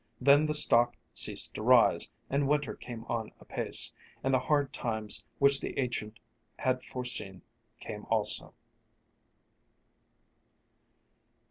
Then the stock ceased to rise, and winter came on apace, and the hard times which the agent had foreseen came also.